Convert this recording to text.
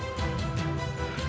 kau tidak apa apa